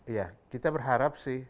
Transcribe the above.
ya kita berharap sih